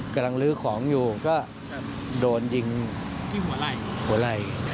กำลังลื้อของอยู่ก็โดนยิงหัวไล่